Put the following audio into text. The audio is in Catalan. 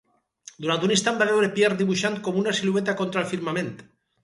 Durant un instant va veure Pierre dibuixat com una silueta contra el firmament.